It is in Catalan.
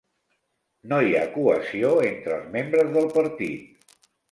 No hi ha cohesió entre els membres del partit.